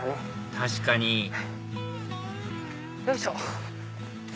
確かによいしょ。